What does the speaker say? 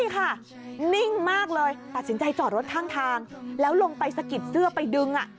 นี่ค่ะนิ่งมากเลยตัดสินใจจอดรถข้างทางแล้วลงไปสะกิดเสื้อไปดึง